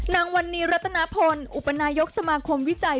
นางวันนี้รัตนพลอุปนายกสมาคมวิจัย